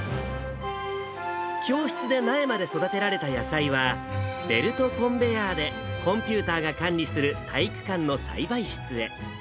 教室で苗まで育てられた野菜は、ベルトコンベヤーでコンピューターが管理する体育館の栽培室へ。